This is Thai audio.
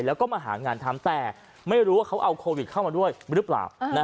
แล้วก็มาหางานทำแต่ไม่รู้ว่าเขาเอาโควิดเข้ามาด้วยหรือเปล่า